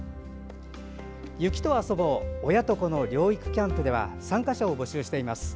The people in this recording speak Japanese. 雪と遊ぼう親と子の療育キャンプでは参加者を募集しています。